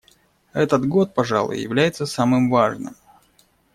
Этот год, пожалуй, является самым важным.